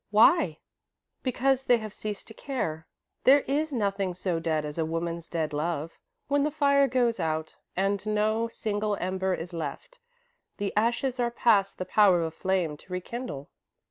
"Why?" "Because they have ceased to care. There is nothing so dead as a woman's dead love. When the fire goes out and no single ember is left, the ashes are past the power of flame to rekindle."